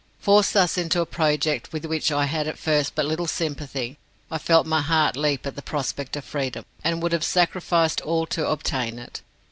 Forced thus into a project with which I had at first but little sympathy, I felt my heart leap at the prospect of freedom, and would have sacrificed all to obtain it.